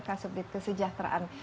kasudit kesejahteraan hewan dan kehidupan